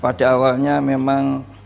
pada awalnya memang